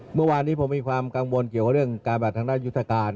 เมื่อวานนี้ผมมีความกังวลเกี่ยวกับเรื่องการบัดทางด้านยุทธการ